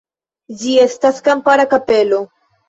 Ĝi estas kampara kapelo.